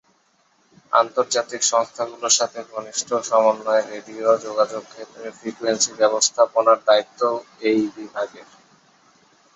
আন্তর্জাতিক সংস্থাগুলোর সাথে ঘনিষ্ঠ সমন্বয়ে রেডিও যোগাযোগ ক্ষেত্রে ফ্রিকোয়েন্সি ব্যবস্থাপনার দায়িত্বও এই বিভাগের।